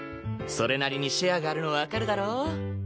それなりにシェアがあるのわかるだろ？